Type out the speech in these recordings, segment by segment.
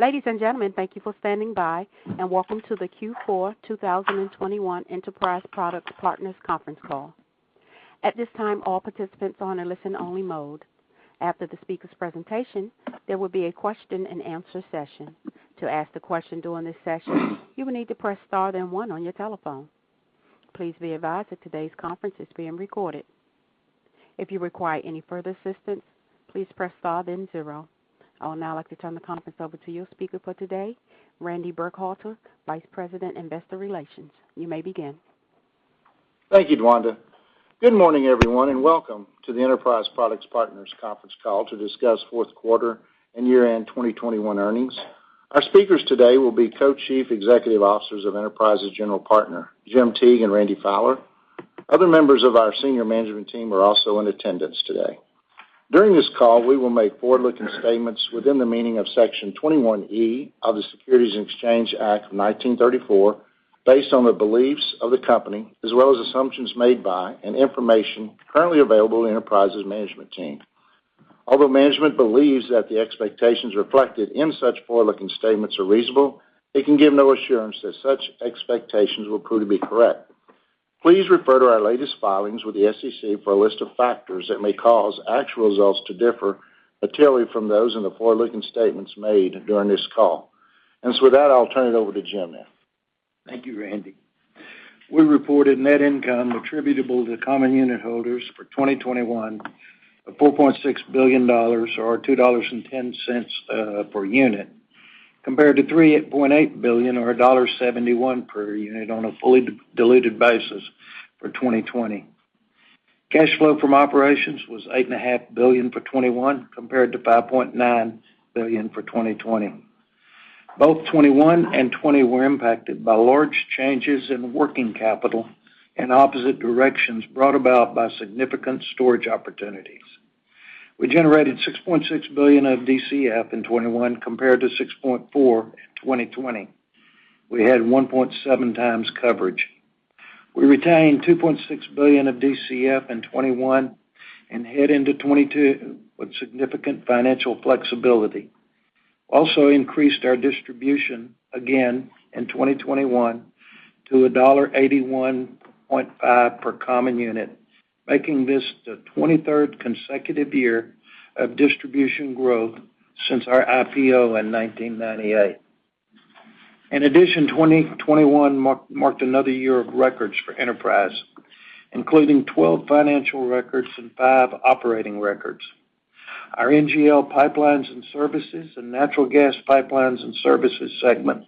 Ladies and gentlemen, thank you for standing by, and welcome to the Q4 2021 Enterprise Products Partners conference call. At this time, all participants are on a listen-only mode. After the speakers' presentation, there will be a question-and-answer session. To ask the question during this session, you will need to press star then one on your telephone. Please be advised that today's conference is being recorded. If you require any further assistance, please press star then zero. I would now like to turn the conference over to your speaker for today, Randy Burkhalter, Vice President, Investor Relations. You may begin. Thank you, Dwanda. Good morning, everyone, and welcome to the Enterprise Products Partners conference call to discuss fourth quarter and year-end 2021 earnings. Our speakers today will be Co-Chief Executive Officers of Enterprise's general partner, Jim Teague and Randy Fowler. Other members of our senior management team are also in attendance today. During this call, we will make forward-looking statements within the meaning of Section 21E of the Securities Exchange Act of 1934, based on the beliefs of the company as well as assumptions made by and information currently available to Enterprise's management team. Although management believes that the expectations reflected in such forward-looking statements are reasonable, it can give no assurance that such expectations will prove to be correct. Please refer to our latest filings with the SEC for a list of factors that may cause actual results to differ materially from those in the forward-looking statements made during this call. With that, I'll turn it over to Jim now. Thank you, Randy. We reported net income attributable to common unit holders for 2021 of $4.6 billion or $2.10 per unit, compared to $3.8 billion or $1.71 per unit on a fully diluted basis for 2020. Cash flow from operations was $8.5 billion for 2021, compared to $5.9 billion for 2020. Both 2021 and 2020 were impacted by large changes in working capital in opposite directions brought about by significant storage opportunities. We generated $6.6 billion of DCF in 2021 compared to $6.4 billion in 2020. We had 1.7x coverage. We retained $2.6 billion of DCF in 2021 and head into 2022 with significant financial flexibility. Also increased our distribution again in 2021 to $1.815 per common unit, making this the 23rd consecutive year of distribution growth since our IPO in 1998. In addition, 2021 marked another year of records for Enterprise, including 12 financial records and five operating records. Our NGL Pipelines and Services and Natural Gas Pipelines and Services segments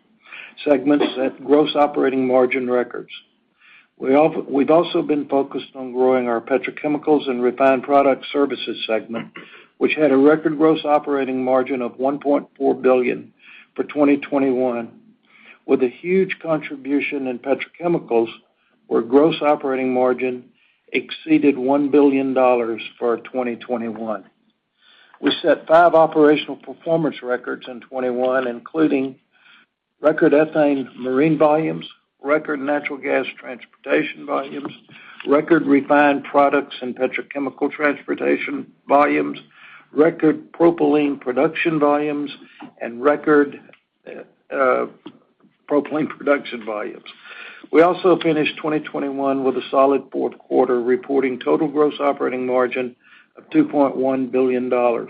at gross operating margin records. We've also been focused on growing our Petrochemicals and Refined Products Services segment, which had a record gross operating margin of $1.4 billion for 2021, with a huge contribution in petrochemicals, where gross operating margin exceeded $1 billion for 2021. We set five operational performance records in 2021, including record ethane marine volumes, record natural gas transportation volumes, record refined products and petrochemical transportation volumes, record propylene production volumes. We also finished 2021 with a solid fourth quarter, reporting total gross operating margin of $2.1 billion. Our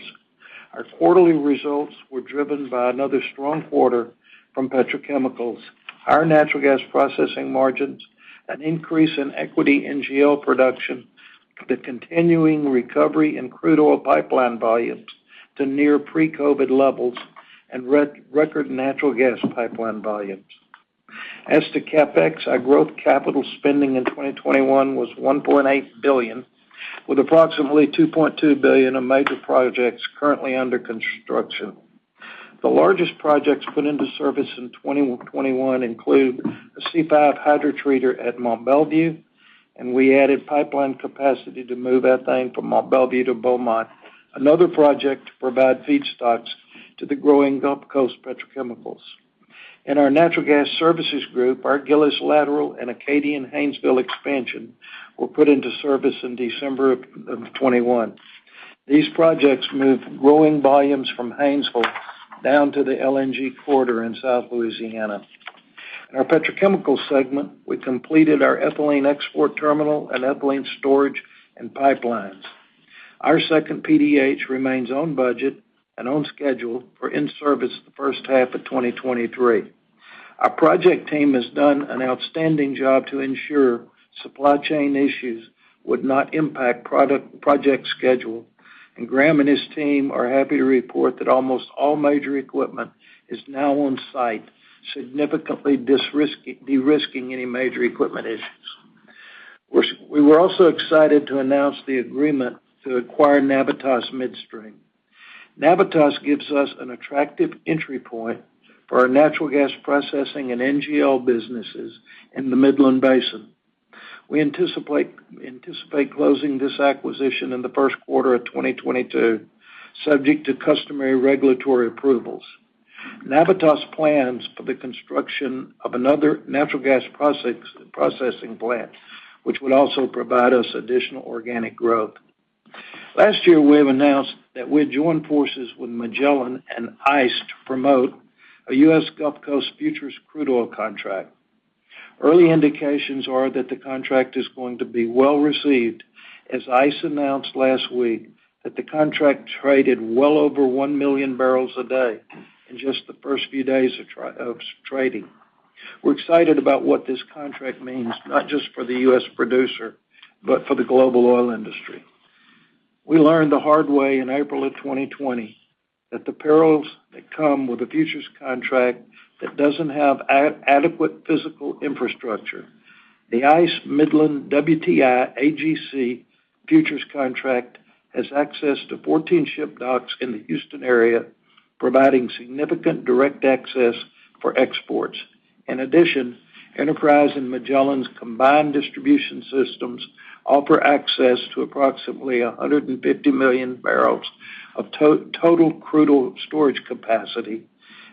quarterly results were driven by another strong quarter from petrochemicals, our natural gas processing margins, an increase in equity NGL production, the continuing recovery in crude oil pipeline volumes to near pre-COVID levels, and record natural gas pipeline volumes. As to CapEx, our growth capital spending in 2021 was $1.8 billion, with approximately $2.2 billion in major projects currently under construction. The largest projects put into service in 2021 include a C5 hydrotreater at Mont Belvieu, and we added pipeline capacity to move ethane from Mont Belvieu to Beaumont, another project to provide feedstocks to the growing Gulf Coast petrochemicals. In our natural gas services group, our Gillis Lateral and Acadian Haynesville Extension were put into service in December of 2021. These projects move growing volumes from Haynesville down to the LNG quarter in South Louisiana. In our petrochemical segment, we completed our ethylene export terminal and ethylene storage and pipelines. Our second PDH remains on budget and on schedule for in-service the first half of 2023. Our project team has done an outstanding job to ensure supply chain issues would not impact project schedule, and Graham and his team are happy to report that almost all major equipment is now on site, significantly de-risking any major equipment issues. We were also excited to announce the agreement to acquire Navitas Midstream. Navitas gives us an attractive entry point for our natural gas processing and NGL businesses in the Midland Basin. We anticipate closing this acquisition in the first quarter of 2022, subject to customary regulatory approvals. Navitas plans for the construction of another natural gas processing plant, which would also provide us additional organic growth. Last year, we have announced that we had joined forces with Magellan and ICE to promote a U.S. Gulf Coast futures crude oil contract. Early indications are that the contract is going to be well-received, as ICE announced last week that the contract traded well over 1 million bpd in just the first few days of trading. We're excited about what this contract means, not just for the U.S. producer, but for the global oil industry. We learned the hard way in April of 2020 that the perils that come with a futures contract that doesn't have adequate physical infrastructure. The ICE Midland WTI AGC futures contract has access to 14 ship docks in the Houston area, providing significant direct access for exports. In addition, Enterprise and Magellan's combined distribution systems offer access to approximately 150 MMbbl of total crude oil storage capacity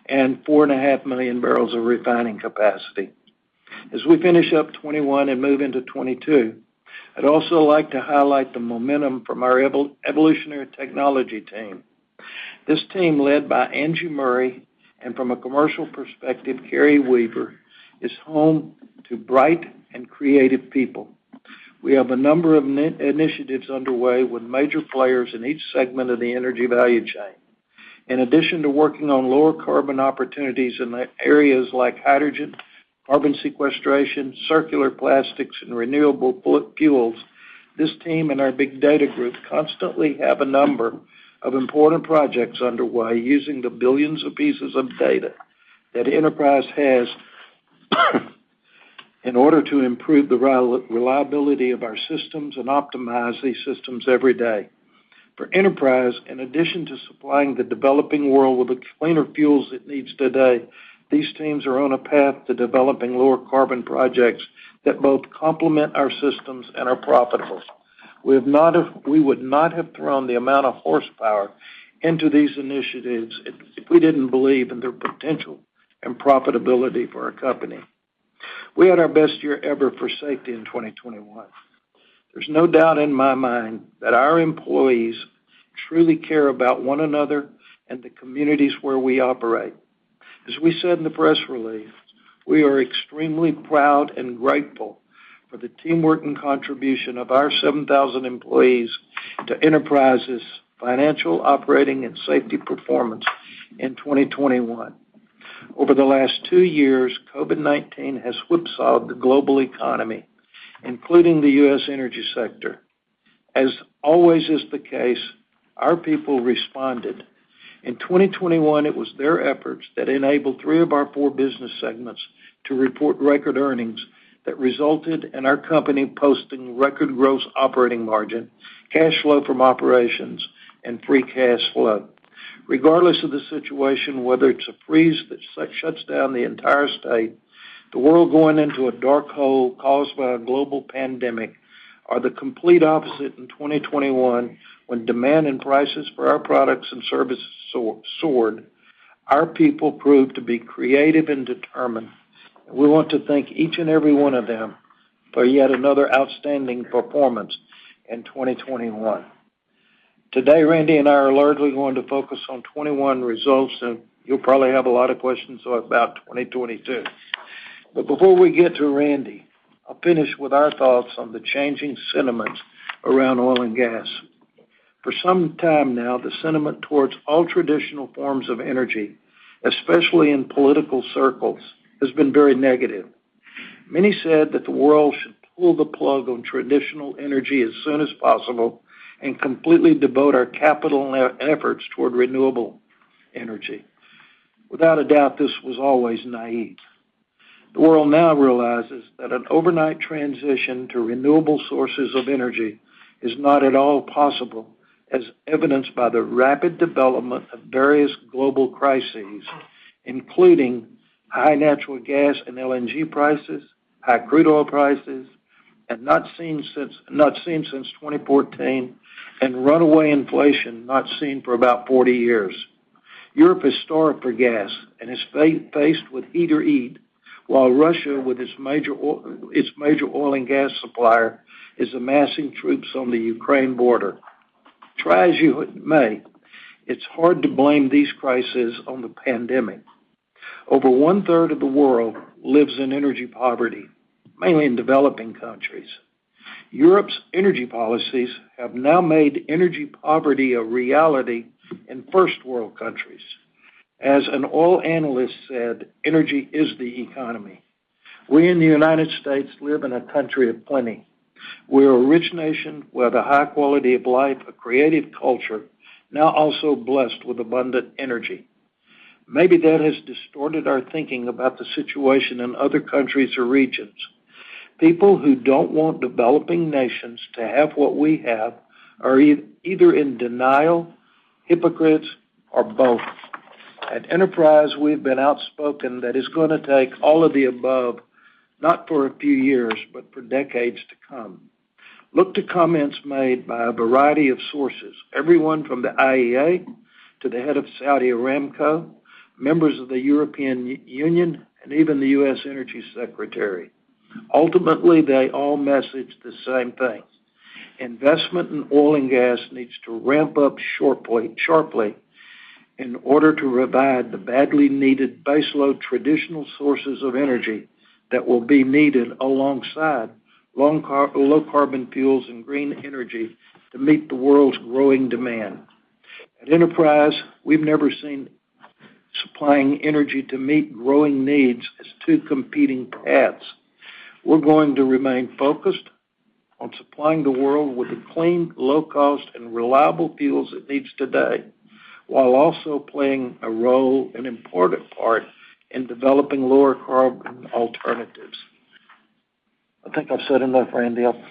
and 4.5 MMbbl of refining capacity. As we finish up 2021 and move into 2022, I'd also like to highlight the momentum from our Evolutionary Technology Team. This team, led by Angie Murray, and from a commercial perspective, Carey Weaver, is home to bright and creative people. We have a number of initiatives underway with major players in each segment of the energy value chain. In addition to working on lower carbon opportunities in areas like hydrogen, carbon sequestration, circular plastics, and renewable fuels, this team and our big data group constantly have a number of important projects underway using the billions of pieces of data that Enterprise has, in order to improve the reliability of our systems and optimize these systems every day. For Enterprise, in addition to supplying the developing world with the cleaner fuels it needs today, these teams are on a path to developing lower carbon projects that both complement our systems and are profitable. We would not have thrown the amount of horsepower into these initiatives if we didn't believe in their potential and profitability for our company. We had our best year ever for safety in 2021. There's no doubt in my mind that our employees truly care about one another and the communities where we operate. As we said in the press release, we are extremely proud and grateful for the teamwork and contribution of our 7,000 employees to Enterprise's financial operating and safety performance in 2021. Over the last two years, COVID-19 has whipsawed the global economy, including the U.S. energy sector. As always is the case, our people responded. In 2021, it was their efforts that enabled three of our four business segments to report record earnings that resulted in our company posting record gross operating margin, cash flow from operations, and free cash flow. Regardless of the situation, whether it's a freeze that shuts down the entire state, the world going into a dark hole caused by a global pandemic, or the complete opposite in 2021, when demand and prices for our products and services soared, our people proved to be creative and determined. We want to thank each and every one of them for yet another outstanding performance in 2021. Today, Randy and I are largely going to focus on 2021 results, so you'll probably have a lot of questions about 2022. Before we get to Randy, I'll finish with our thoughts on the changing sentiments around oil and gas. For some time now, the sentiment towards all traditional forms of energy, especially in political circles, has been very negative. Many said that the world should pull the plug on traditional energy as soon as possible and completely devote our capital and our efforts toward renewable energy. Without a doubt, this was always naive. The world now realizes that an overnight transition to renewable sources of energy is not at all possible, as evidenced by the rapid development of various global crises, including high natural gas and LNG prices, high crude oil prices not seen since 2014, and runaway inflation not seen for about 40 years. Europe is starved for gas and is faced with heat or eat, while Russia, with its major oil and gas supplier, is amassing troops on the Ukraine border. Try as you may, it's hard to blame these crises on the pandemic. Over one-third of the world lives in energy poverty, mainly in developing countries. Europe's energy policies have now made energy poverty a reality in First World countries. As an oil analyst said, "Energy is the economy." We in the United States live in a country of plenty. We're a rich nation. We have a high quality of life, a creative culture, now also blessed with abundant energy. Maybe that has distorted our thinking about the situation in other countries or regions. People who don't want developing nations to have what we have are either in denial, hypocrites, or both. At Enterprise, we've been outspoken that it's gonna take all of the above, not for a few years, but for decades to come. Look to comments made by a variety of sources, everyone from the IEA to the head of Saudi Aramco, members of the European Union, and even the U.S. Energy Secretary. Ultimately, they all message the same thing. Investment in oil and gas needs to ramp up sharply in order to provide the badly needed baseload traditional sources of energy that will be needed alongside low carbon fuels and green energy to meet the world's growing demand. At Enterprise, we've never seen supplying energy to meet growing needs as two competing paths. We're going to remain focused on supplying the world with the clean, low cost, and reliable fuels it needs today, while also playing a role, an important part in developing lower carbon alternatives. I think I've said enough, Randy. I'll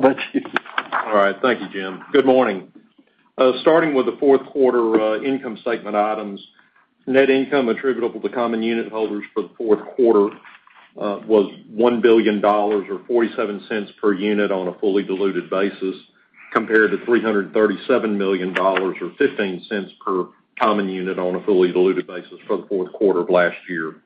let you. All right. Thank you, Jim. Good morning. Starting with the fourth quarter, income statement items. Net income attributable to common unit holders for the fourth quarter was $1 billion or $0.47 per unit on a fully diluted basis, compared to $337 million or $0.15 per common unit on a fully diluted basis for the fourth quarter of last year.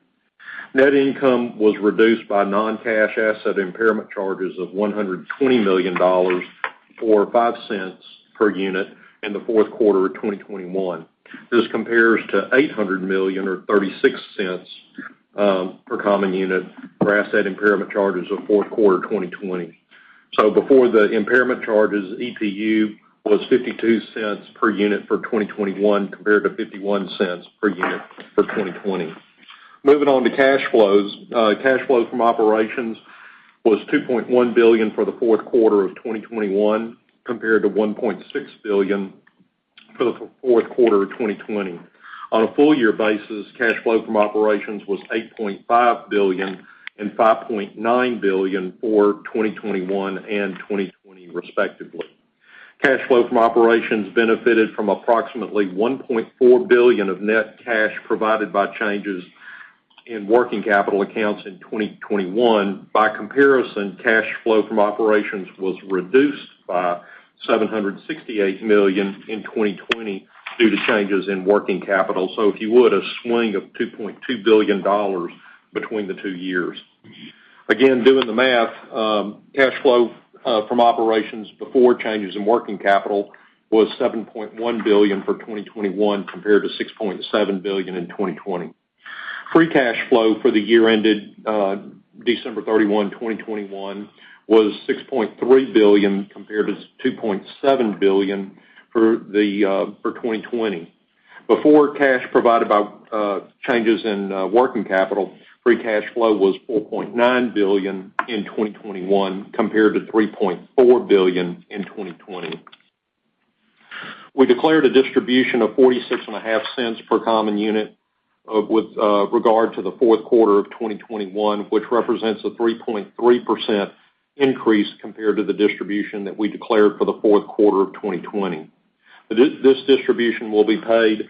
Net income was reduced by non-cash asset impairment charges of $120 million, or $0.05 per unit in the fourth quarter of 2021. This compares to $800 million or $0.36 per common unit for asset impairment charges of fourth quarter of 2020. Before the impairment charges, EPU was $0.52 per unit for 2021 compared to $0.51 per unit for 2020. Moving on to cash flows. Cash flow from operations was $2.1 billion for the fourth quarter of 2021 compared to $1.6 billion for the fourth quarter of 2020. On a full year basis, cash flow from operations was $8.5 billion and $5.9 billion for 2021 and 2020, respectively. Cash flow from operations benefited from approximately $1.4 billion of net cash provided by changes in working capital accounts in 2021. By comparison, cash flow from operations was reduced by $768 million in 2020 due to changes in working capital. If you would, a swing of $2.2 billion between the two years. Again, doing the math, cash flow from operations before changes in working capital was $7.1 billion for 2021 compared to $6.7 billion in 2020. Free cash flow for the year ended December 31, 2021 was $6.3 billion compared to $2.7 billion for 2020. Before cash provided by changes in working capital, free cash flow was $4.9 billion in 2021 compared to $3.4 billion in 2020. We declared a distribution of $0.465 per common unit with regard to the fourth quarter of 2021, which represents a 3.3% increase compared to the distribution that we declared for the fourth quarter of 2020. This distribution will be paid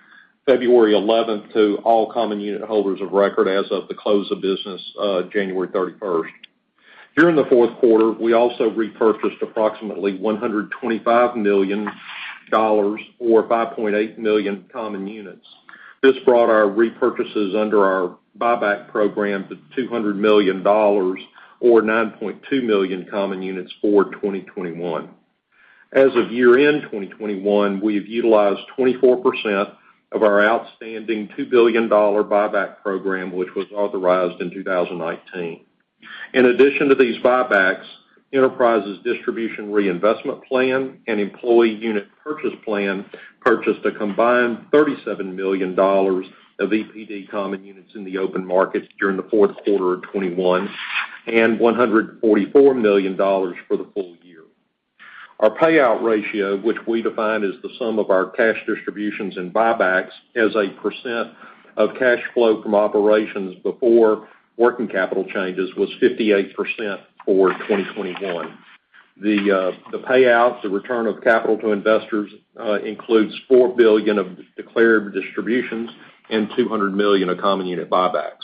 February 11 to all common unit holders of record as of the close of business, January 31. During the fourth quarter, we also repurchased approximately $125 million or 5.8 million common units. This brought our repurchases under our buyback program to $200 million or 9.2 million common units for 2021. As of year-end 2021, we have utilized 24% of our outstanding $2 billion buyback program, which was authorized in 2019. In addition to these buybacks, Enterprise's distribution reinvestment plan and employee unit purchase plan purchased a combined $37 million of EPD common units in the open markets during the fourth quarter of 2021, and $144 million for the full year. Our payout ratio, which we define as the sum of our cash distributions and buybacks as a percent of cash flow from operations before working capital changes, was 58% for 2021. The payouts, the return of capital to investors, includes $4 billion of declared distributions and $200 million of common unit buybacks.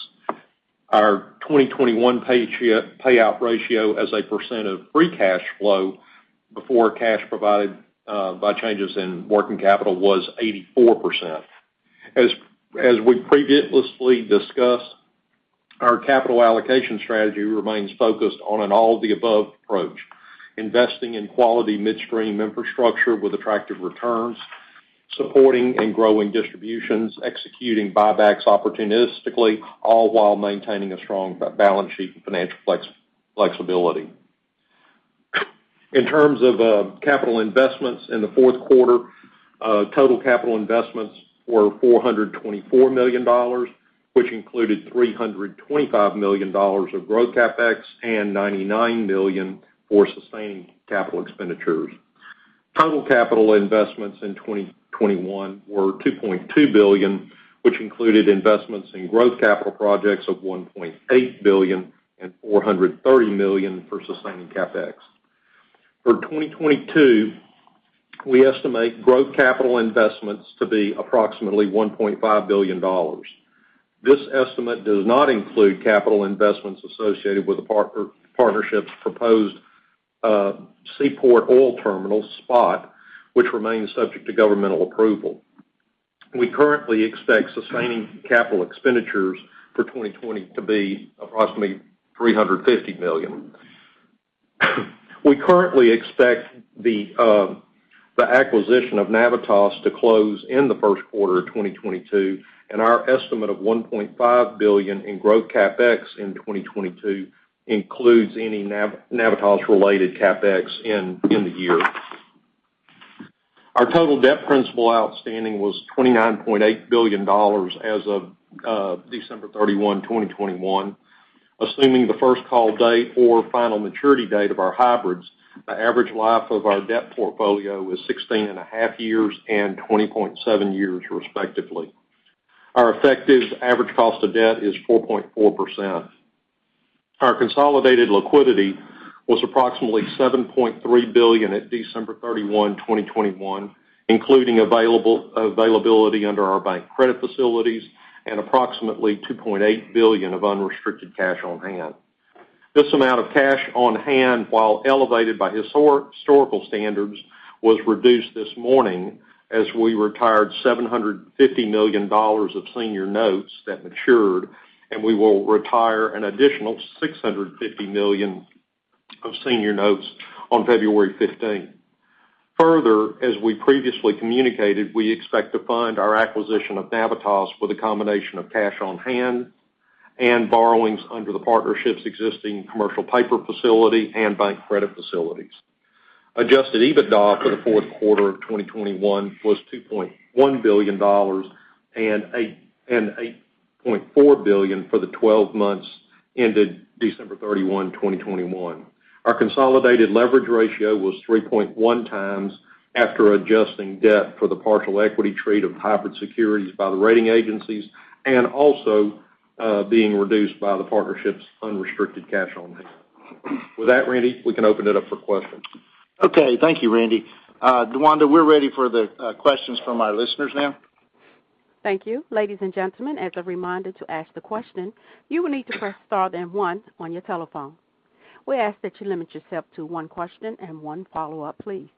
Our 2021 payout ratio as a percent of free cash flow before cash provided by changes in working capital was 84%. As we previously discussed, our capital allocation strategy remains focused on an all of the above approach, investing in quality midstream infrastructure with attractive returns, supporting and growing distributions, executing buybacks opportunistically, all while maintaining a strong balance sheet and financial flexibility. In terms of capital investments, in the fourth quarter, total capital investments were $424 million, which included $325 million of growth CapEx and $99 million for sustaining capital expenditures. Total capital investments in 2021 were $2.2 billion, which included investments in growth capital projects of $1.8 billion and $430 million for sustaining CapEx. For 2022, we estimate growth capital investments to be approximately $1.5 billion. This estimate does not include capital investments associated with the partnership's proposed Sea Port Oil Terminal, SPOT, which remains subject to governmental approval. We currently expect sustaining capital expenditures for 2022 to be approximately $350 million. We currently expect the acquisition of Navitas to close in the first quarter of 2022, and our estimate of $1.5 billion in growth CapEx in 2022 includes any Navitas-related CapEx in the year. Our total debt principal outstanding was $29.8 billion as of December 31, 2021. Assuming the first call date or final maturity date of our hybrids, the average life of our debt portfolio was 16.5 years and 20.7 years, respectively. Our effective average cost of debt is 4.4%. Our consolidated liquidity was approximately $7.3 billion at December 31, 2021, including availability under our bank credit facilities and approximately $2.8 billion of unrestricted cash on hand. This amount of cash on hand, while elevated by historical standards, was reduced this morning as we retired $750 million of senior notes that matured, and we will retire an additional $650 million of senior notes on February 15th Further, as we previously communicated, we expect to fund our acquisition of Navitas with a combination of cash on hand and borrowings under the partnership's existing commercial paper facility and bank credit facilities. Adjusted EBITDA for the fourth quarter of 2021 was $2.1 billion and $8.4 billion for the 12 months ended December 31, 2021. Our consolidated leverage ratio was 3.1x after adjusting debt for the partial equity treatment of hybrid securities by the rating agencies and also being reduced by the partnership's unrestricted cash on hand. With that, Randy, we can open it up for questions. Okay, thank you, Randy. Dwanda, we're ready for the questions from our listeners now. Thank you. Ladies and gentlemen, as a reminder to ask the question, you will need to press star then one on your telephone. We ask that you limit yourself to one question and one follow-up, please.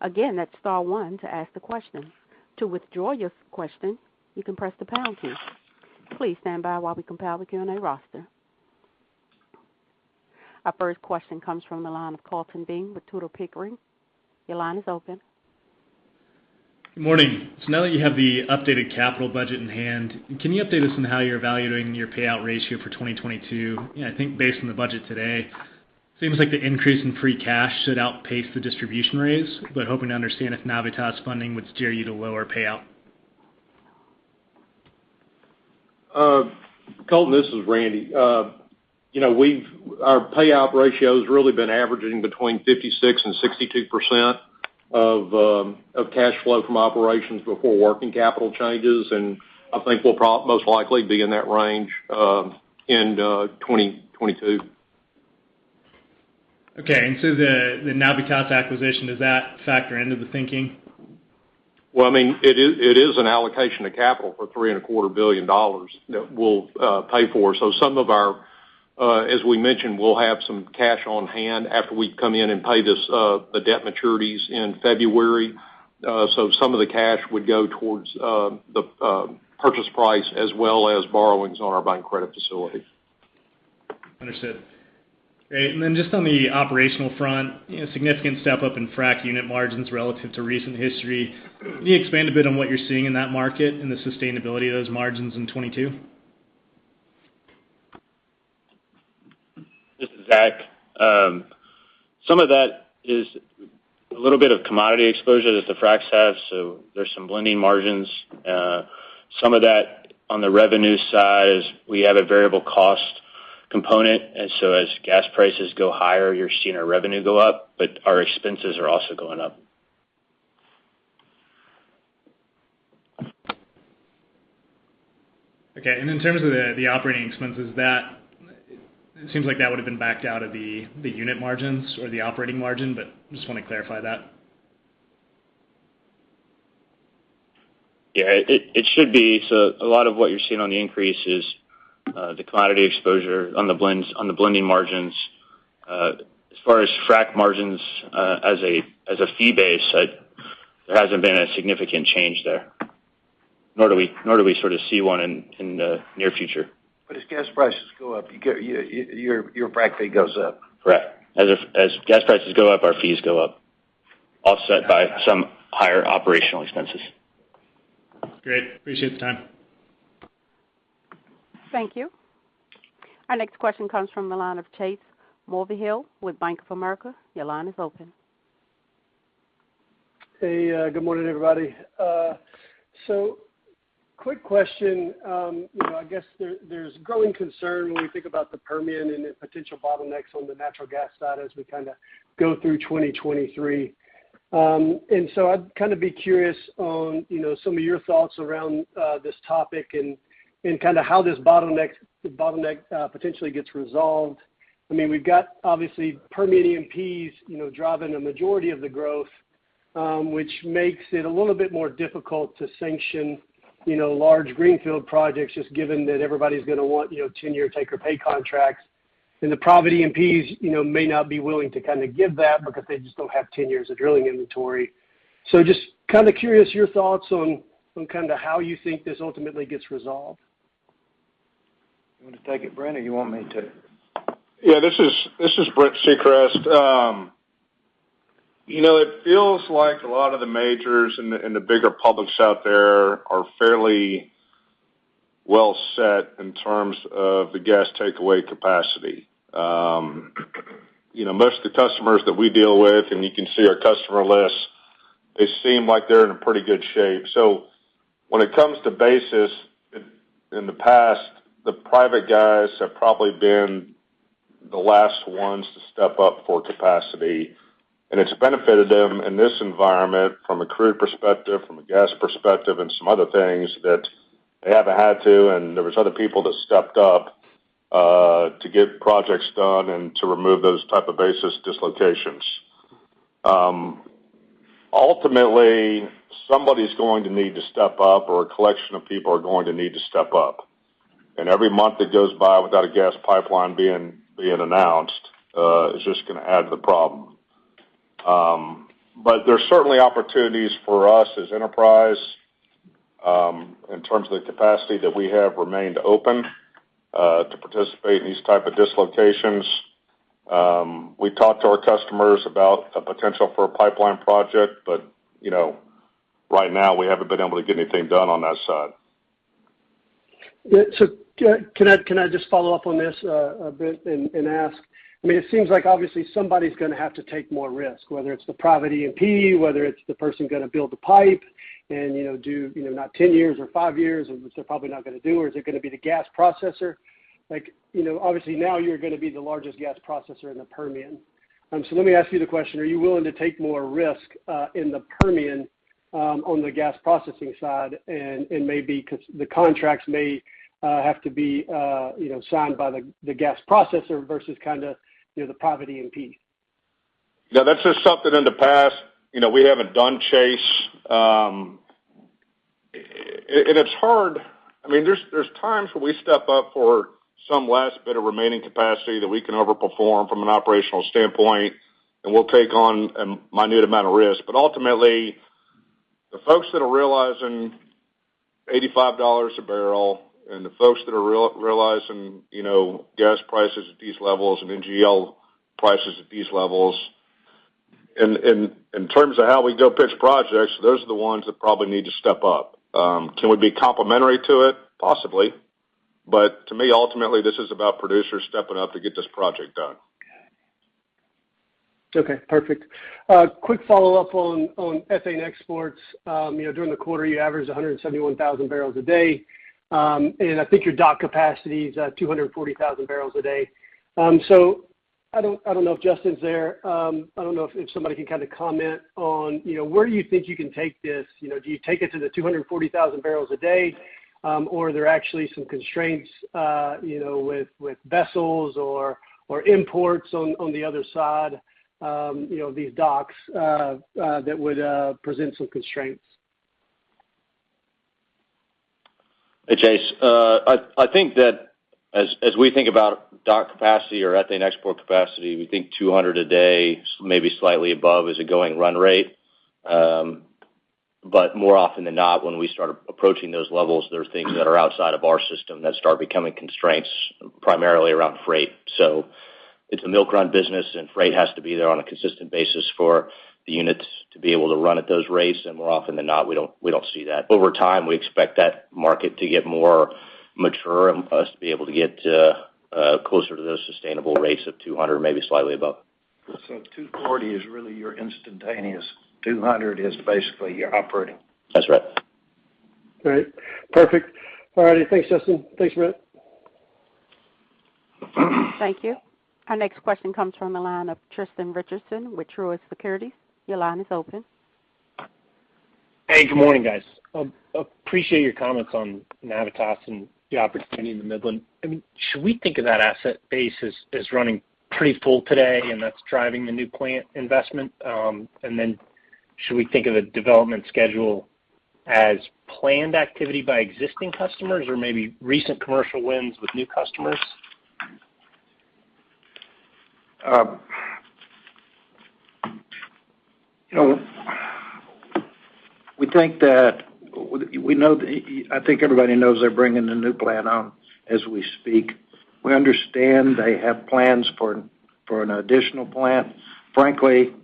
Again, that's star one to ask the question. To withdraw your question, you can press the pound key. Please stand by while we compile the Q&A roster. Our first question comes from the line of Colton Bean with Tudor, Pickering. Your line is open. Good morning. Now that you have the updated capital budget in hand, can you update us on how you're evaluating your payout ratio for 2022? You know, I think based on the budget today, seems like the increase in free cash should outpace the distribution raise, hoping to understand if Navitas funding would steer you to lower payout. Colton, this is Randy. You know, our payout ratio's really been averaging between 56% and 62% of cash flow from operations before working capital changes, and I think we'll most likely be in that range in 2022. The Navitas acquisition, does that factor into the thinking? Well, I mean, it is an allocation of capital for $3.25 billion that we'll pay for. Some of our, as we mentioned, we'll have some cash on hand after we come in and pay the debt maturities in February. Some of the cash would go towards the purchase price as well as borrowings on our bank credit facilities. Understood. Great, just on the operational front, you know, significant step up in frac unit margins relative to recent history. Can you expand a bit on what you're seeing in that market and the sustainability of those margins in 2022? This is Zach. Some of that is a little bit of commodity exposure that the fracs have, so there's some blending margins. Some of that on the revenue side is we have a variable cost component. As gas prices go higher, you're seeing our revenue go up, but our expenses are also going up. Okay, in terms of the operating expenses, that it seems like that would have been backed out of the unit margins or the operating margin, but I just want to clarify that. Yeah, it should be. A lot of what you're seeing on the increase is the commodity exposure on the blending margins. As far as frac margins, as a fee base, there hasn't been a significant change there, nor do we sort of see one in the near future. As gas prices go up, your frac fee goes up. Correct. As gas prices go up, our fees go up, offset by some higher operational expenses. Great. Appreciate the time. Thank you. Our next question comes from the line of Chase Mulvehill with Bank of America. Your line is open. Hey, good morning, everybody. Quick question. You know, I guess there's growing concern when we think about the Permian and the potential bottlenecks on the natural gas side as we kind of go through 2023. I'd kind of be curious on, you know, some of your thoughts around this topic and kind of how this bottleneck potentially gets resolved. I mean, we've got, obviously, Permian E&Ps, you know, driving a majority of the growth, which makes it a little bit more difficult to sanction, you know, large greenfield projects, just given that everybody's gonna want, you know, 10-year take-or-pay contracts. The private E&Ps, you know, may not be willing to kinda give that because they just don't have 10 years of drilling inventory. Just kinda curious your thoughts on kinda how you think this ultimately gets resolved? You want to take it, Brent, or you want me to? Yeah, this is Brent Secrest. You know, it feels like a lot of the majors and the bigger publics out there are fairly well set in terms of the gas takeaway capacity. You know, most of the customers that we deal with, and you can see our customer list, they seem like they're in a pretty good shape. So when it comes to basis, in the past, the private guys have probably been the last ones to step up for capacity. It's benefited them in this environment from a crude perspective, from a gas perspective, and some other things that they haven't had to, and there was other people that stepped up to get projects done and to remove those type of basis dislocations. Ultimately, somebody's going to need to step up or a collection of people are going to need to step up. Every month that goes by without a gas pipeline being announced is just gonna add to the problem. But there's certainly opportunities for us as Enterprise in terms of the capacity that we have remained open to participate in these type of dislocations. We talked to our customers about the potential for a pipeline project, but you know, right now we haven't been able to get anything done on that side. Can I just follow up on this a bit and ask? I mean, it seems like obviously somebody's gonna have to take more risk, whether it's the private E&P, whether it's the person gonna build the pipe and, you know, not 10 years or five years, which they're probably not gonna do, or is it gonna be the gas processor? Like, you know, obviously now you're gonna be the largest gas processor in the Permian. Let me ask you the question: Are you willing to take more risk in the Permian on the gas processing side and maybe 'cause the contracts may have to be, you know, signed by the gas processor versus kinda, you know, the private E&P? Yeah, that's just something in the past, you know, we haven't done, Chase. It's hard. I mean, there's times where we step up for some last bit of remaining capacity that we can overperform from an operational standpoint, and we'll take on a minute amount of risk. Ultimately, the folks that are realizing $85 a barrel and the folks that are realizing, you know, gas prices at these levels and NGL prices at these levels, and in terms of how we go pitch projects, those are the ones that probably need to step up. Can we be complementary to it? Possibly. To me, ultimately, this is about producers stepping up to get this project done. Okay, perfect. A quick follow-up on ethane exports. You know, during the quarter, you averaged 171,000 bpd. I think your dock capacity is at 240,000 bpd. I don't know if Justin's there. I don't know if somebody can kinda comment on, you know, where do you think you can take this? You know, do you take it to the 240,000 bpd? Or are there actually some constraints, you know, with vessels or imports on the other side, you know, these docks that would present some constraints? Hey, Chase. I think that as we think about dock capacity or ethane export capacity, we think 200 a day, maybe slightly above, is a going run rate. More often than not, when we start approaching those levels, there are things that are outside of our system that start becoming constraints, primarily around freight. It's a milk run business, and freight has to be there on a consistent basis for the units to be able to run at those rates. More often than not, we don't see that. Over time, we expect that market to get more mature and us to be able to get closer to those sustainable rates of 200, maybe slightly above. 240 is really your instantaneous. 200 is basically your operating. That's right. All right. Perfect. All righty. Thanks, Justin. Thanks, Brent. Thank you. Our next question comes from the line of Tristan Richardson with Truist Securities. Your line is open. Hey, good morning, guys. Appreciate your comments on Navitas and the opportunity in the Midland. I mean, should we think of that asset base as running pretty full today and that's driving the new plant investment? And then should we think of the development schedule as planned activity by existing customers or maybe recent commercial wins with new customers? You know, I think everybody knows they're bringing the new plant on as we speak. We understand they have plans for an additional plant. Frankly,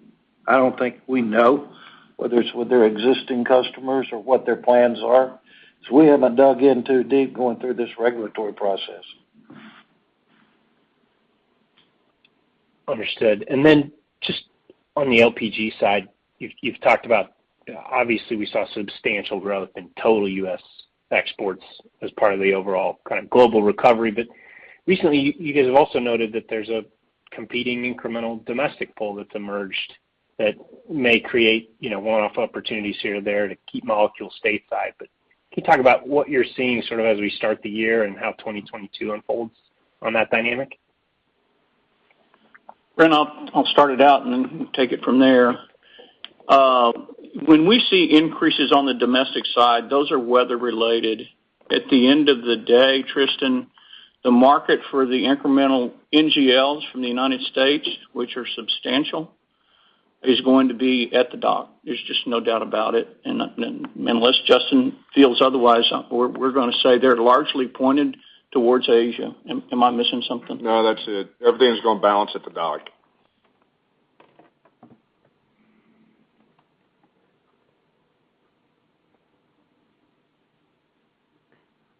I don't think we know whether it's with their existing customers or what their plans are, so we haven't dug in too deep going through this regulatory process. Understood. Just on the LPG side, you've talked about, obviously, we saw substantial growth in total U.S. exports as part of the overall kind of global recovery. Recently, you guys have also noted that there's a competing incremental domestic pool that's emerged that may create, you know, one-off opportunities here or there to keep molecules stateside. Can you talk about what you're seeing sort of as we start the year and how 2022 unfolds on that dynamic? Brent, I'll start it out and then take it from there. When we see increases on the domestic side, those are weather-related. At the end of the day, Tristan, the market for the incremental NGLs from the United States, which are substantial, is going to be at the dock. There's just no doubt about it. Unless Justin feels otherwise, we're gonna say they're largely pointed towards Asia. Am I missing something? No, that's it. Everything's gonna balance at the dock.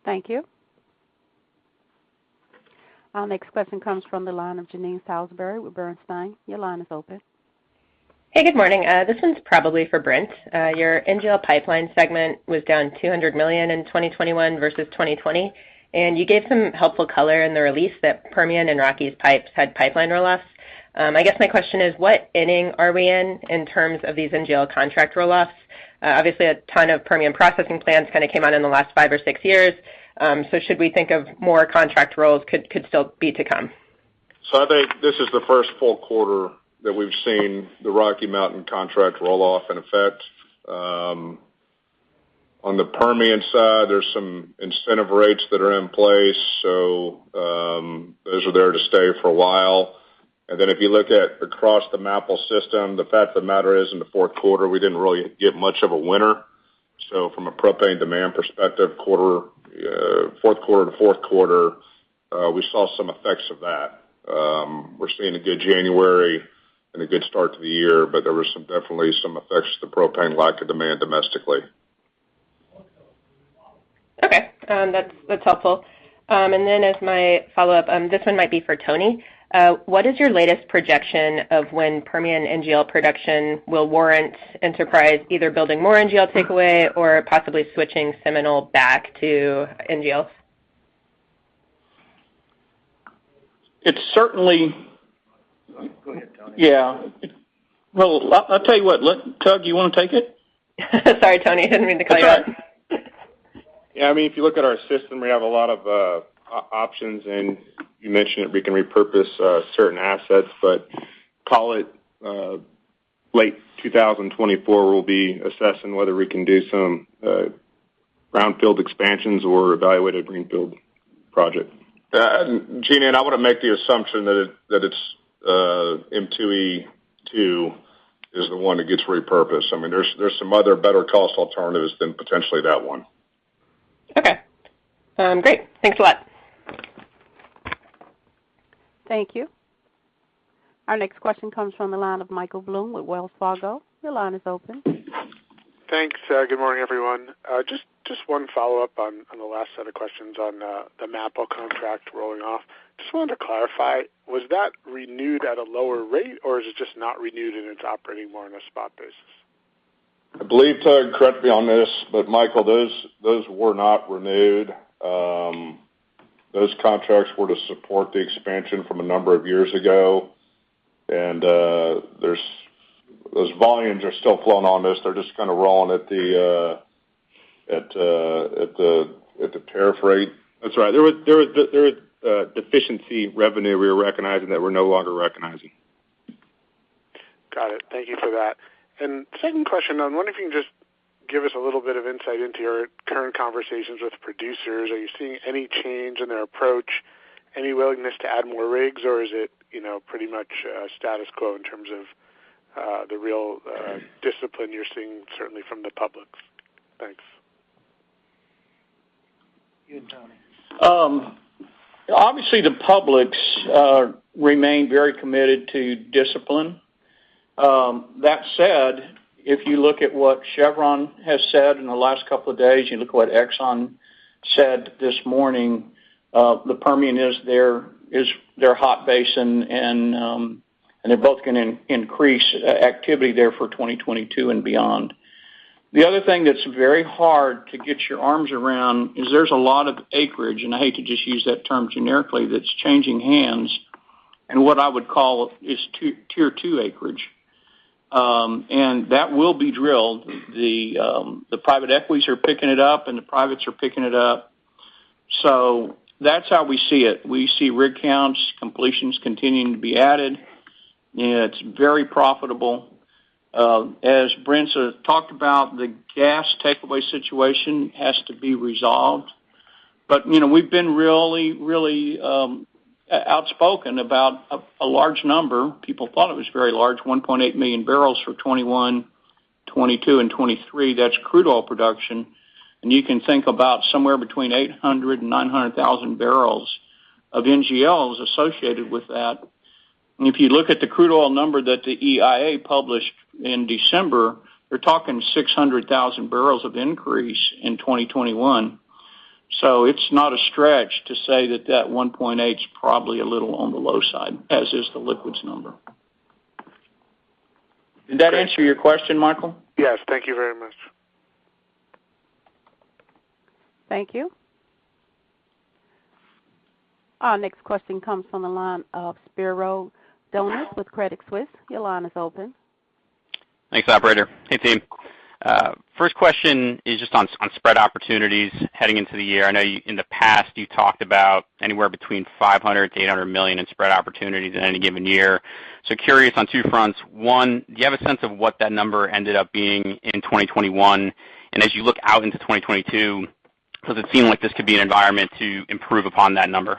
Thank you. Our next question comes from the line of Jean Ann Salisbury with Bernstein. Your line is open. Hey, good morning. This one's probably for Brent. Your NGL pipeline segment was down $200 million in 2021 versus 2020. You gave some helpful color in the release that Permian and Rockies pipes had pipeline roll-offs. I guess my question is, what inning are we in terms of these NGL contract roll-offs? Obviously, a ton of Permian processing plants kind of came out in the last five or six years. Should we think of more contract rolls could still be to come? I think this is the first full quarter that we've seen the Rocky Mountain contract roll-off in effect. On the Permian side, there's some incentive rates that are in place, those are there to stay for a while. Then if you look at across the MAPL system, the fact of the matter is, in the fourth quarter, we didn't really get much of a winter. From a propane demand perspective, fourth quarter to fourth quarter, we saw some effects of that. We're seeing a good January and a good start to the year, but there was some definite effects to the propane lack of demand domestically. Okay. That's helpful. As my follow-up, this one might be for Tony. What is your latest projection of when Permian NGL production will warrant Enterprise either building more NGL takeaway or possibly switching Seminole back to NGLs? It's certainly- Go ahead, Tony. Yeah. Well, I'll tell you what. Tugg, you wanna take it? Sorry, Tony. I didn't mean to cut you off. That's all right. Yeah, I mean, if you look at our system, we have a lot of options, and you mentioned that we can repurpose certain assets. Call it late 2024, we'll be assessing whether we can do some brownfield expansions or evaluate a greenfield project. Jean, I wanna make the assumption that it's M2E2 is the one that gets repurposed. I mean, there's some other better cost alternatives than potentially that one. Okay. Great. Thanks a lot. Thank you. Our next question comes from the line of Michael Blum with Wells Fargo. Your line is open. Thanks. Good morning, everyone. Just one follow-up on the last set of questions on the MAPL contract rolling off. Just wanted to clarify, was that renewed at a lower rate, or is it just not renewed and it's operating more on a spot basis? I believe, Tugg, correct me on this, but Michael, those were not renewed. Those contracts were to support the expansion from a number of years ago. Those volumes are still flowing on this. They're just kind of rolling at the tariff rate. That's right. There was deficiency revenue we were recognizing that we're no longer recognizing. Got it. Thank you for that. Second question, I wonder if you can just give us a little bit of insight into your current conversations with producers. Are you seeing any change in their approach? Any willingness to add more rigs, or is it, you know, pretty much, status quo in terms of, the real, discipline you're seeing certainly from the publics? Thanks. You, Tony. Obviously the public E&Ps remain very committed to discipline. That said, if you look at what Chevron has said in the last couple of days, you look at what Exxon said this morning, the Permian is their hot basin and they're both gonna increase activity there for 2022 and beyond. The other thing that's very hard to get your arms around is there's a lot of acreage, and I hate to just use that term generically, that's changing hands, and what I would call is tier two acreage. That will be drilled. The private equities are picking it up and the privates are picking it up. That's how we see it. We see rig counts, completions continuing to be added, and it's very profitable. As Brent said, talked about the gas takeaway situation has to be resolved. You know, we've been really outspoken about a large number. People thought it was very large, 1.8 MMbbl for 2021, 2022 and 2023. That's crude oil production. You can think about somewhere between 800 and 900,000 bbl of NGLs associated with that. If you look at the crude oil number that the EIA published in December, you're talking 600,000 bbl of increase in 2021. It's not a stretch to say that 1.8's probably a little on the low side, as is the liquids number. Did that answer your question, Michael? Yes. Thank you very much. Thank you. Our next question comes from the line of Spiro Dounis with Credit Suisse. Your line is open. Thanks, operator. Hey, team. First question is just on spread opportunities heading into the year. I know you in the past, you talked about anywhere between $500 million-$800 million in spread opportunities in any given year. Curious on two fronts. One, do you have a sense of what that number ended up being in 2021? As you look out into 2022, does it seem like this could be an environment to improve upon that number?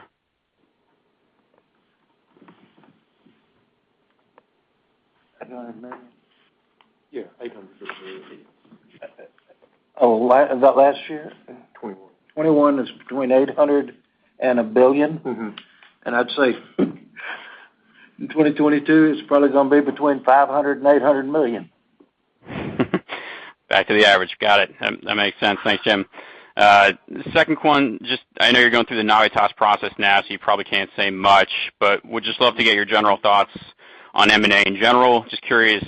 $800 million. Yeah, $800 million. Oh, is that last year? Yeah, 2021. 2021 is between $800 million and $1 billion. Mm-hmm. I'd say in 2022, it's probably gonna be between $500 million and $800 million. Back to the average. Got it. That makes sense. Thanks, Jim. Second one, just I know you're going through the Navitas process now, so you probably can't say much, but would just love to get your general thoughts on M&A in general. Just curious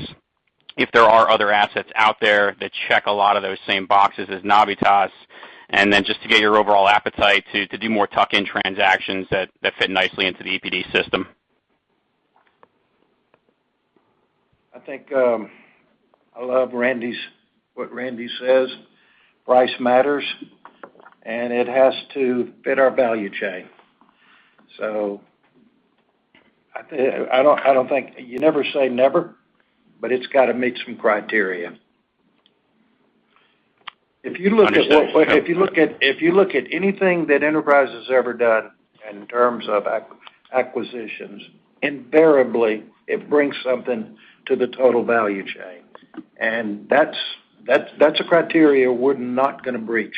if there are other assets out there that check a lot of those same boxes as Navitas. Then just to get your overall appetite to do more tuck-in transactions that fit nicely into the EPD system. I think I love what Randy says, price matters, and it has to fit our value chain. I don't think you never say never, but it's gotta meet some criteria. Understood. If you look at anything that Enterprise has ever done in terms of acquisitions, invariably, it brings something to the total value chain. That's a criteria we're not gonna breach.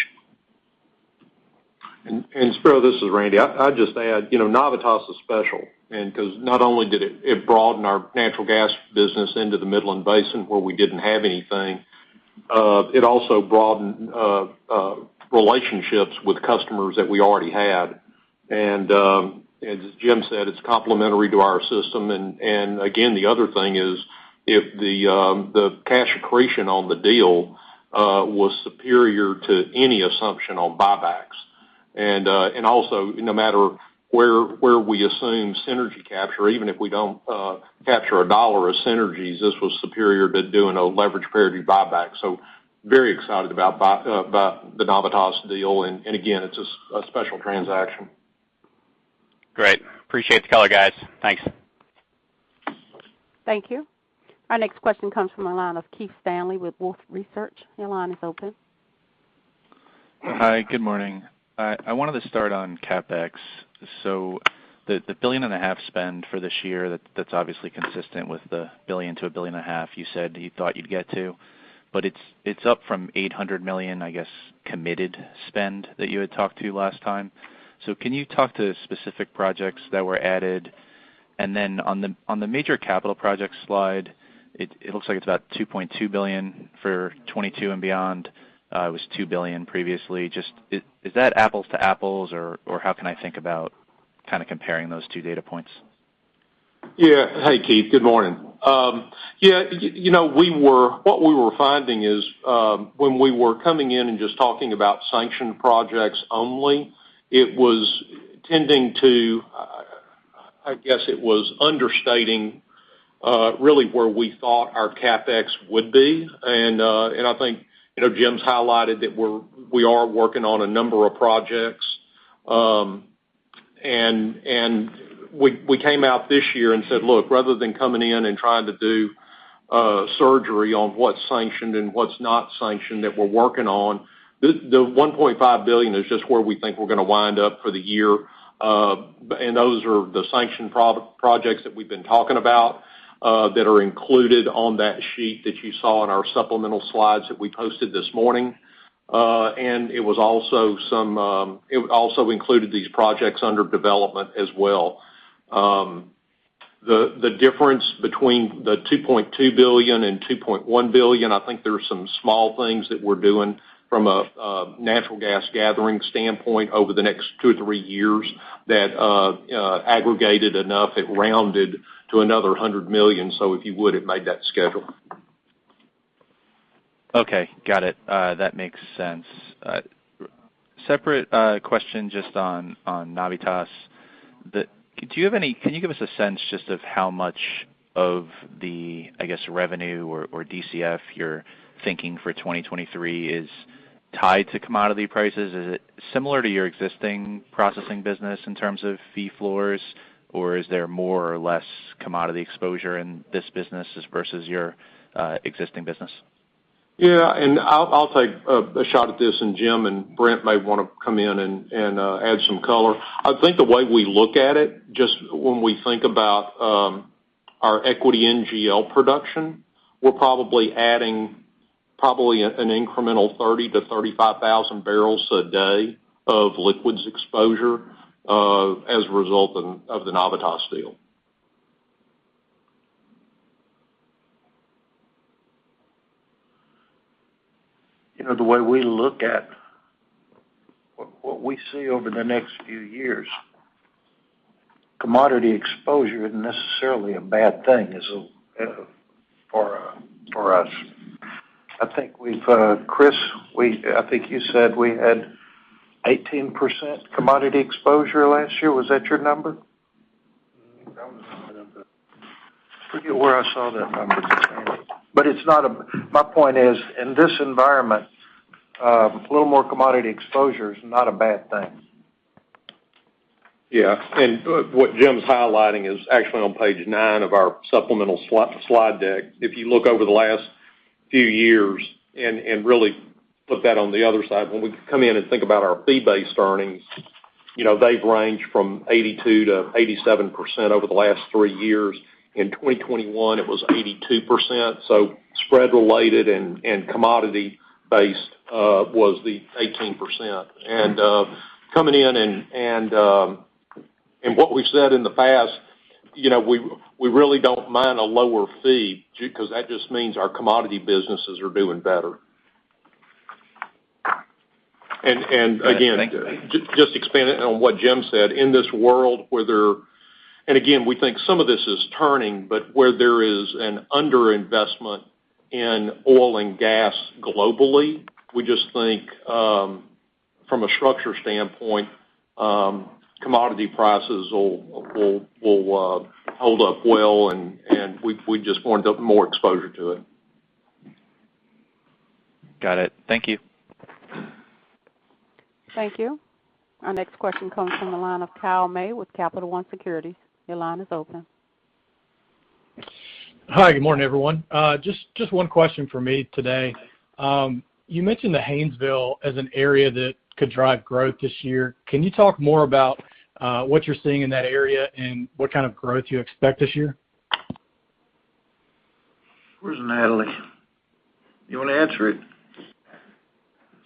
Spiro, this is Randy. I'd just add, you know, Navitas is special and 'cause not only did it broaden our natural gas business into the Midland Basin, where we didn't have anything, it also broadened relationships with customers that we already had. As Jim said, it's complementary to our system. Again, the other thing is, if the cash accretion on the deal was superior to any assumption on buybacks. Also, no matter where we assume synergy capture, even if we don't capture a dollar of synergies, this was superior to doing a leverage priority buyback. Very excited about the Navitas deal. Again, it's a special transaction. Great. Appreciate the color, guys. Thanks. Thank you. Our next question comes from the line of Keith Stanley with Wolfe Research. Your line is open. Hi, good morning. I wanted to start on CapEx. The $1.5 billion spend for this year, that's obviously consistent with the $1 billion-$1.5 billion you said you thought you'd get to. It's up from $800 million, I guess, committed spend that you had talked to last time. Can you talk to specific projects that were added? On the major capital projects slide, it looks like it's about $2.2 billion for 2022 and beyond. It was $2 billion previously. Just, is that apples to apples or how can I think about kinda comparing those two data points? Yeah. Hey, Keith. Good morning. Yeah, you know, what we were finding is, when we were coming in and just talking about sanctioned projects only, it was tending to, I guess it was understating, really where we thought our CapEx would be. I think, you know, Jim's highlighted that we are working on a number of projects. We came out this year and said, "Look, rather than coming in and trying to do surgery on what's sanctioned and what's not sanctioned that we're working on," the $1.5 billion is just where we think we're gonna wind up for the year. Those are the sanctioned projects that we've been talking about, that are included on that sheet that you saw in our supplemental slides that we posted this morning. It also included these projects under development as well. The difference between the $2.2 billion and $2.1 billion, I think there are some small things that we're doing from a natural gas gathering standpoint over the next two or three years that aggregated enough, it rounded to another $100 million. If you would, it made that schedule. Okay. Got it. That makes sense. Separate question just on Navitas. Can you give us a sense just of how much of the, I guess, revenue or DCF you're thinking for 2023 is tied to commodity prices? Is it similar to your existing processing business in terms of fee floors, or is there more or less commodity exposure in this business as versus your existing business? Yeah, I'll take a shot at this, and Jim and Brent may wanna come in and add some color. I think the way we look at it, just when we think about our equity NGL production, we're probably adding an incremental 30,000-35,000 bpd of liquids exposure as a result of the Navitas deal. You know, the way we look at what we see over the next few years, commodity exposure isn't necessarily a bad thing, is it, for us? I think, Chris, I think you said we had 18% commodity exposure last year. Was that your number? That was my number. Forget where I saw that number. It's not, my point is, in this environment, a little more commodity exposure is not a bad thing. Yeah. What Jim's highlighting is actually on page nine of our supplemental slide deck. If you look over the last few years and really put that on the other side, when we come in and think about our fee-based earnings, you know, they've ranged from 82% to 87% over the last three years. In 2021, it was 82%. Spread related and commodity based was the 18%. Coming in and what we've said in the past, you know, we really don't mind a lower fee because that just means our commodity businesses are doing better. Again, just expanding on what Jim said, in this world where there Again, we think some of this is turning, but where there is an underinvestment in oil and gas globally, we just think, from a structure standpoint, commodity prices will hold up well, and we just want more exposure to it. Got it. Thank you. Thank you. Our next question comes from the line of Kyle May with Capital One Securities. Your line is open. Hi. Good morning, everyone. Just one question for me today. You mentioned the Haynesville as an area that could drive growth this year. Can you talk more about what you're seeing in that area and what kind of growth you expect this year? Where's Natalie? You wanna answer it?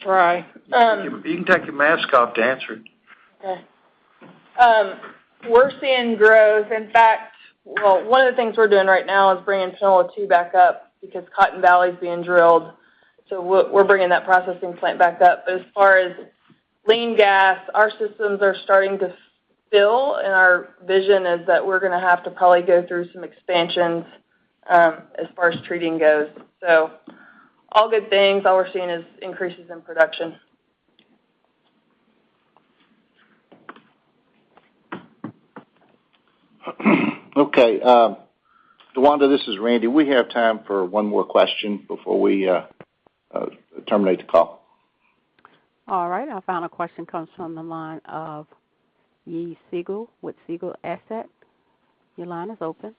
Try. Um- You can take your mask off to answer it. Okay. We're seeing growth. In fact, well, one of the things we're doing right now is bringing Seminole two back up because Cotton Valley is being drilled, so we're bringing that processing plant back up. As far as lean gas, our systems are starting to fill, and our vision is that we're gonna have to probably go through some expansions, as far as treating goes. All good things. All we're seeing is increases in production. Okay, Dwanda, this is Randy. We have time for one more question before we terminate the call. All right. Our final question comes from the line of Yves Siegel with Siegel Asset Management Partners. Your line is open.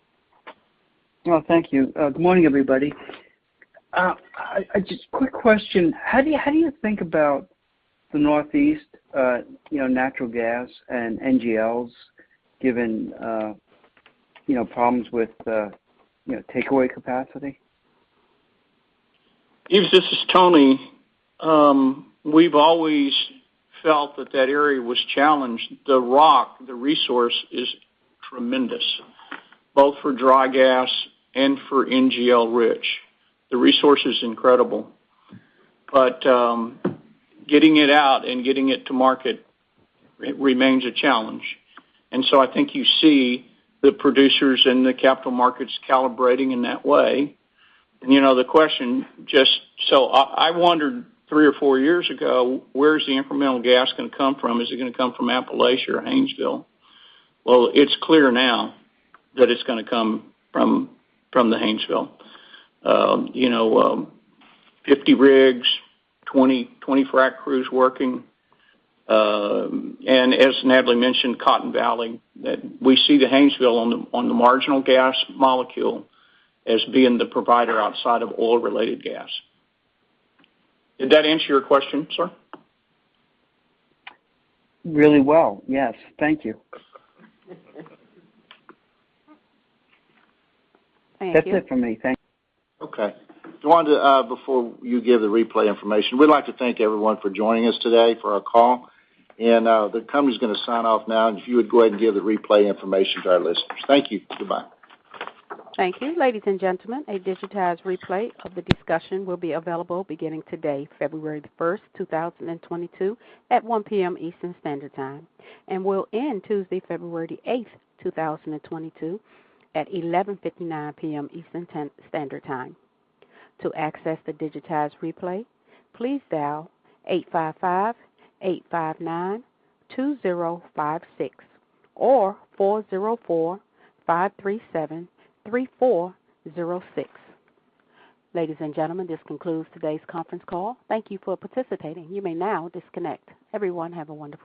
Well, thank you. Good morning, everybody. Quick question. How do you think about the Northeast, you know, natural gas and NGLs given, you know, problems with, you know, takeaway capacity? Yves, this is Tony. We've always felt that that area was challenged. The rock, the resource is tremendous, both for dry gas and for NGL rich. The resource is incredible. Getting it out and getting it to market, it remains a challenge. I think you see the producers in the capital markets calibrating in that way. You know, the question just. I wondered three or four years ago, where's the incremental gas gonna come from? Is it gonna come from Appalachia or Haynesville? Well, it's clear now that it's gonna come from the Haynesville. You know, 50 rigs, 20 frack crews working. As Natalie mentioned, Cotton Valley, that we see the Haynesville on the marginal gas molecule as being the provider outside of oil-related gas. Did that answer your question, sir? Really well. Yes. Thank you. Thank you. That's it for me. Thank you. Okay. Dwanda, before you give the replay information, we'd like to thank everyone for joining us today for our call. The company's gonna sign off now, and if you would go ahead and give the replay information to our listeners. Thank you. Goodbye. Thank you. Ladies and gentlemen, a digitized replay of the discussion will be available beginning today, February 1, 2022, at 1:00 P.M. Eastern Standard Time, and will end Tuesday, February 8, 2022, at 11:59 P.M. Eastern Standard Time. To access the digitized replay, please dial 855-859-2056 or 404-537-3406. Ladies and gentlemen, this concludes today's conference call. Thank you for participating. You may now disconnect. Everyone, have a wonderful day.